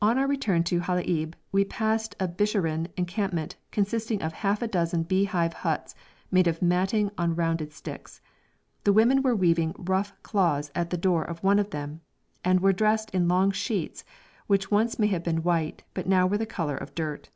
[Illustration: ELBA MOUNTAINS FROM SHELLAL] On our return to Halaib we passed a Bisharin encampment, consisting of half a dozen beehive huts made of matting on rounded sticks. The women were weaving rough cloths at the door of one of them, and were dressed in long sheets which once may have been white, but are now the colour of dirt.